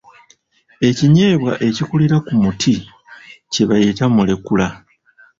Ekinyeebwa ekikulira ku muti kye bayita Mulekula.